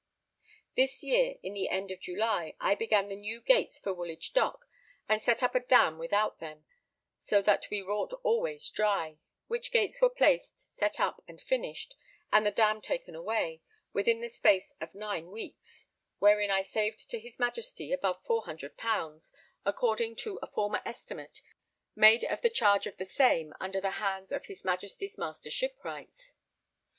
This year, in the end of July, I began the new gates for Woolwich Dock, and set up a dam without them, so that we wrought always dry; which gates were placed, set up, and finished, and the dam taken away, within the space of nine weeks; wherein I saved to his Majesty above four hundred pounds, according to a former estimate made of the charge of the same under the hands of his Majesty's Master Shipwrights.